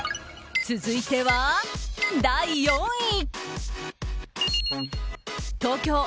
続いては、第４位。